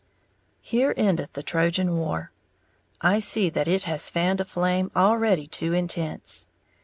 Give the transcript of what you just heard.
Here endeth the Trojan War, I see that it has fanned a flame already too intense.